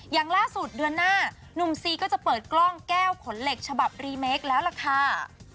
อย่างล่าสุดเดือนหน้าหนุ่มซีก็จะเปิดกล้องแก้วขนเหล็กฉบับรีเมคแล้วล่ะค่ะ